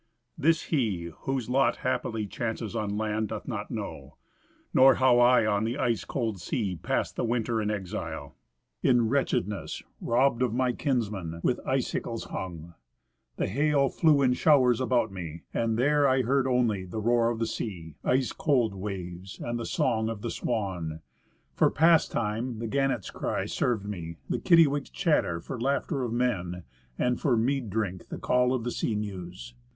This he, whose lot happily chances on land, doth not know; Nor how I on the ice cold sea passed the winter in exile, In wretchedness, robbed of my kinsmen, with icicles hung. C 109 3 The hail flew in showers about me; and there I heard only The roar of the sea, ice cold waves, and the song of the swan; For pastime the gannets' cry served me; the kittiwakes' chatter For laughter of men; and for mead drink the call of the sea mews.